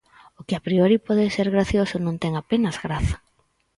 O que a priori pode ser gracioso non ten apenas graza.